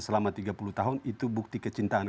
selama tiga puluh tahun itu bukti kecintaan